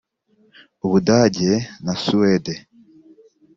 u Budage na Suwede